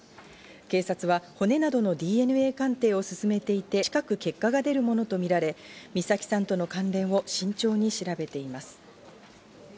警察は骨などのＤＮＡ鑑定を進めていて、近く結果が出るものとみられ、美咲さんとの関連を慎重に調べています。